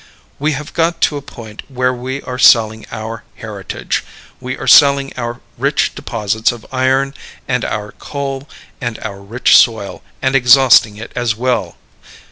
We have got to a point where we are selling our heritage; we are selling our rich deposits of iron and our coal and our rich soil, and exhausting it as well.